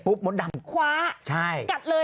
ลูบหัวก่อน